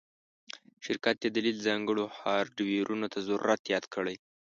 شرکت یی دلیل ځانګړو هارډویرونو ته ضرورت یاد کړی